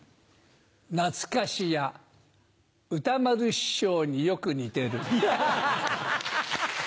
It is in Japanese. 懐かしや歌丸師匠によく似てる。